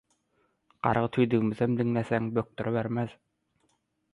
gargy tüýdügimizem diňleseň bökdüribermez